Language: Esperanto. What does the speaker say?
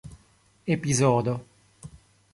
epizodo